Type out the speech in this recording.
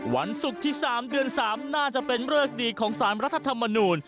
วันศุกร์ที่๓เดือน๓น่าจะเป็นเริกดีของสารรัฐธรรมนูล